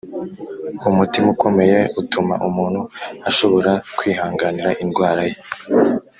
Umutima ukomeye utuma umuntu ashobora kwihanganira indwara ye.